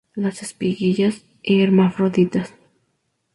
Las espiguillas hermafroditas.